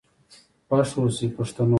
خوښ آوسئ پښتنو.